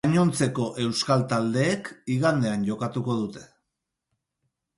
Gainontzeko euskal taldeek igandean jokatuko dute.